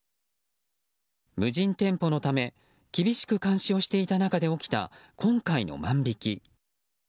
無人店舗のため厳しく監視をしていた中で起きた今回の万引き。